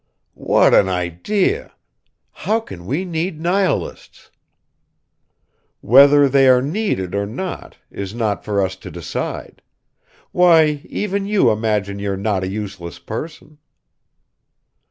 "What an idea! How can we need nihilists?" "Whether they are needed or not is not for us to decide. Why, even you imagine you're not a useless person."